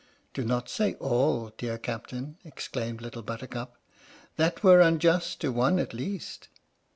" "Do not say 'all,' dear Captain," exclaimed Little Buttercup. " That were unjust to one, at least!"